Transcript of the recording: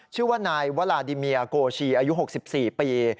ชื่อว่านายวลาดิเมียโกชีอายุ๖๔ปี